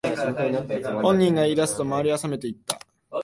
本人が言い出すと周りはさめていった